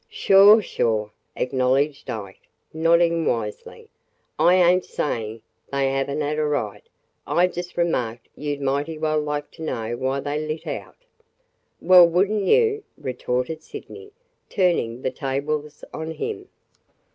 "Sure! sure!" acknowledged Ike, nodding wisely. "I ain't sayin' they have n't a right, I just remarked you 'd mighty well like to know why they lit out!" "Well, would n't you?" retorted Sydney, turning the tables on him.